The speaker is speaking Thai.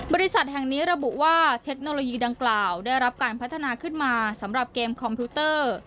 บริษัทแห่งนี้ระบุว่าเทคโนโลยีดังกล่าวได้รับการพัฒนาขึ้นมาสำหรับเกมคอมพิวเตอร์